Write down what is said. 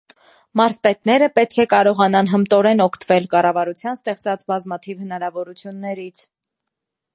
Մարզպետները պետք է կարողանան հմտորեն օգտվել կառավարության ստեղծած բազմաթիվ հնարավորություններից: